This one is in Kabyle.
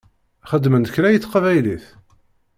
Xedment kra i teqbaylit?